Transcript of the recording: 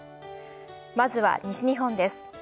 まずは西日本です。